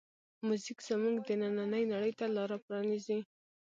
موزیک زمونږ دنننۍ نړۍ ته لاره پرانیزي.